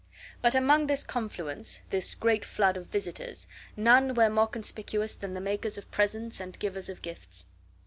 But among this confluence, this great flood of visitors, none were more conspicuous than the makers of presents and givers of gifts.